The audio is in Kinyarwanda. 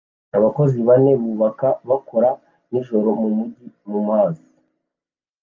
Abakozi bane bubaka bakora nijoro mumujyi mumazi